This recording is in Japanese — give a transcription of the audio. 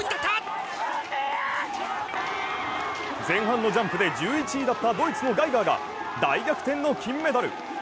前半のジャンプで１１位だったドイツのガイガーが大逆転の金メダル。